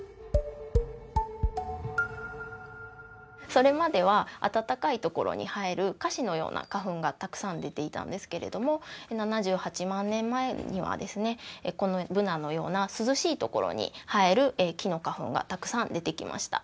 それまでは暖かい所に生えるかしのような花粉がたくさん出ていたんですけれども７８万年前にはですねぶなのような涼しい所に生える木の花粉がたくさん出てきました。